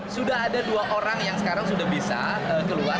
sudah ada dua orang yang sekarang sudah bisa keluar